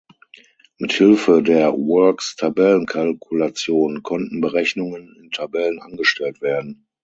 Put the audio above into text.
Mit Hilfe der Works-Tabellenkalkulation konnten Berechnungen in Tabellen angestellt werden.